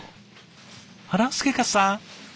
あら？祐勝さん？